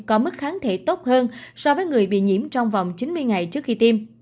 nó kháng thể tốt hơn so với người bị nhiễm trong vòng chín mươi ngày trước khi tiêm